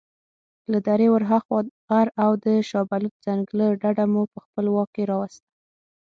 له درې ورهاخوا غر او د شابلوط ځنګله ډډه مو په خپل واک راوسته.